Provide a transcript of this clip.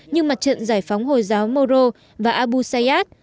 như mặt trận giải phóng hồi giáo moro và abu sayyad